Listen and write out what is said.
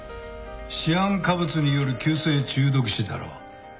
シアン化物による急性中毒死だろう。